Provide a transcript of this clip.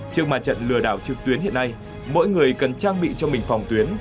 trước mà trận lừa đảo trực tuyến hiện nay mỗi người cần trang bị cho mình phòng tuyến